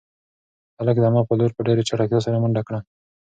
هلک د انا په لور په ډېرې چټکتیا سره منډه کړه.